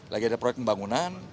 lagi ada proyek pembangunan